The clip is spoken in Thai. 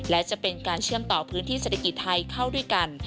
และจะเป็นการเชื่อมต่อพื้นที่เศรษฐกิจไทยเข้าด้วยกัน